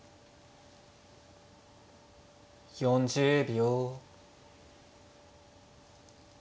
４０秒。